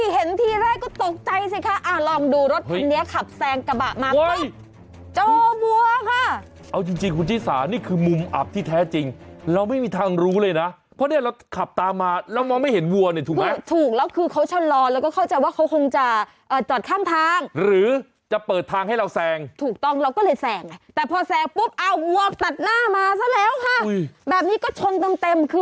เห็นทีแรกก็ตกใจสิคะ